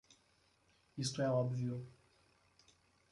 Isto é óbvio.